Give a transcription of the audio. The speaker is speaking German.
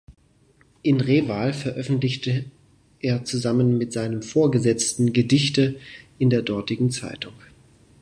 In Reval veröffentlichte er zusammen mit seinem Vorgesetzten Gedichte in der dortigen Zeitung.